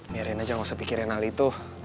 biarin aja gak usah pikirin hal itu